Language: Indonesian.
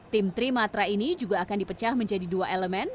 tim trimatra ini juga akan dipecah menjadi dua elemen